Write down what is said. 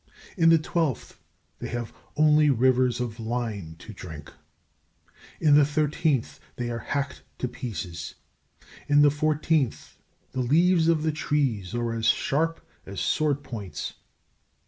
In the twelfth, they have only rivers of lime to drink. In the thirteenth, they are hacked to pieces. In the fourteenth, the leaves of the trees are as sharp as sword points.